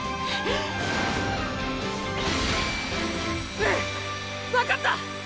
うん分かった！